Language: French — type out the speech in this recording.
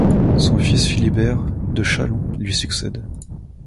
Son fils Philibert de Châlon lui succède.